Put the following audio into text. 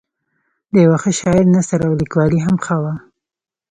د یوه ښه شاعر نثر او لیکوالي هم ښه وه.